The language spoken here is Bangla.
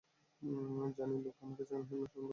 জানি লোক আমাকে সেকেন্ড হ্যান্ড মিঠুন বলে মজা নেয়।